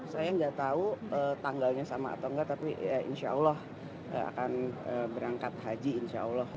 saya nggak tahu tanggalnya sama atau enggak tapi insya allah akan berangkat haji insya allah